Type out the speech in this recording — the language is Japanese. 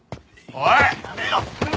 おい！